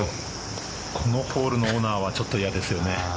このホールはちょっと嫌ですよね。